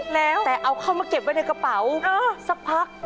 แล้วแต่เอาเข้ามาเก็บไว้ในกระเป๋าสักพัก